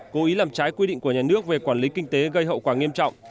cố ý làm trái quy định của nhà nước về quản lý kinh tế gây hậu quả nghiêm trọng